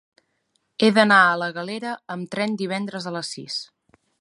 He d'anar a la Galera amb tren divendres a les sis.